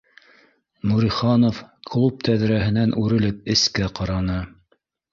Нуриханов клуб тәҙрәһенән үрелеп эскә ҡараны